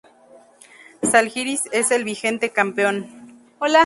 Žalgiris es el vigente campeón.